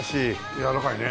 やわらかいね。